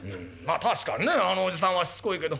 確かにねあのおじさんはしつこいけど。